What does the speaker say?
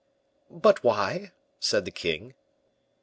"But why?" said the king.